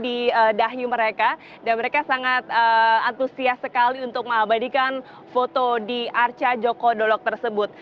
diberikan yaitu tanda di dahi mereka dan mereka sangat antusias sekali untuk mengabadikan foto di arca joko dolok tersebut